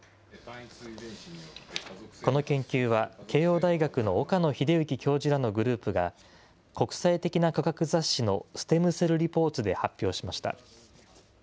この研究は、慶応大学の岡野栄之教授らのグループが、国際的な科学雑誌のステムセル・リポーツで発表しました。